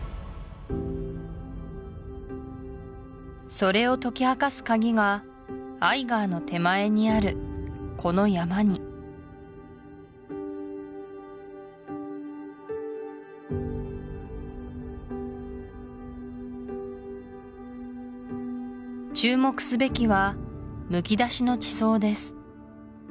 それを解き明かすカギがアイガーの手前にあるこの山に注目すべきはむき出しの地層です